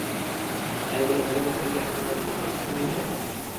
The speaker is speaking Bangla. তাই বলে ঘরে বসে ঈদের আনন্দ মাটি করা—কখনোই হতে পারে না।